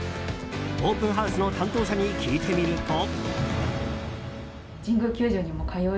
オープンハウスの担当者に聞いてみると。